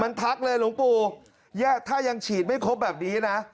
มันทักเลยหลวงปู่ถ้ายังฉีดไม่ครบแบบนี้นะ